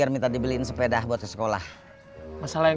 maksudnya atau misalnya